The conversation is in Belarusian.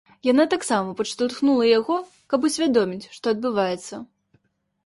Яна таксама падштурхнула яго, каб усвядоміць, што адбываецца.